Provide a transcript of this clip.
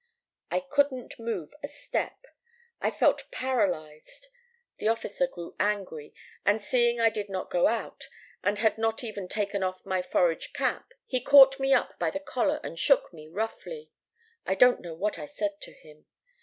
"I couldn't move a step. I felt paralyzed. The officer grew angry, and seeing I did not go out, and had not even taken off my forage cap, he caught me by the collar and shook me roughly. I don't know what I said to him.